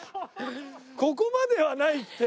「ここまではない」って。